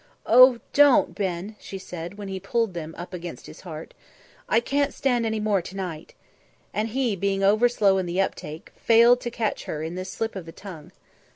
"Oh! don't, Ben," she said, when he pulled them up against his heart. "I can't stand any more to night." And he, being over slow in the uptak', failed to catch her in this slip of the tongue.